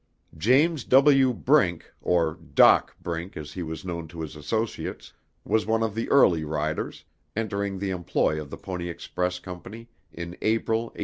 James W. Brink, or "Dock" Brink as he was known to his associates, was one of the early riders, entering the employ of the Pony Express Company in April, 1860.